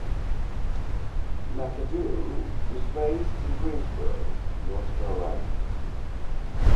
McAdoo was raised in Greensboro, North Carolina.